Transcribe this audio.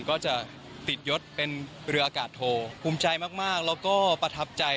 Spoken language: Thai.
ก็จะติดยศเป็นเรืออากาศโทภูมิใจมากแล้วก็ประทับใจ